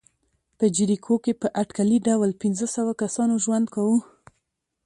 په جریکو کې په اټکلي ډول پنځه سوه کسانو ژوند کاوه.